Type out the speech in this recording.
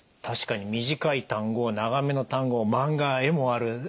確かに短い単語長めの単語マンガは絵もある。